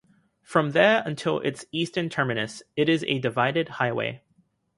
From there until its eastern terminus it is a divided highway.